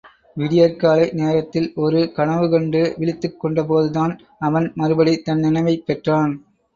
விடியற் காலை நேரத்தில் ஒரு கனவு கண்டு விழித்துக் கொண்ட போதுதான் அவன் மறுபடி தன் நினைவைப் பெற்றான்.